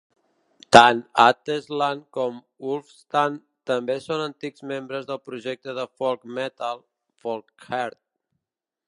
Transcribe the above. Tant Athelstan com Wulfstan també són antics membres del projecte de folk metal "Folkearth".